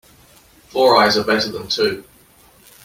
Four eyes are better than two.